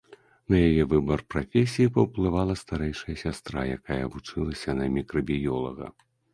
На яе выбар прафесіі паўплывала старэйшая сястра, якая вучылася на мікрабіёлага.